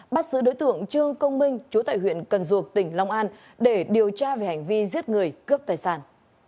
bắt giữ đối tượng trương công minh chú tại huyện cần duộc tỉnh long an để điều tra về hành vi giết người cướp tài sản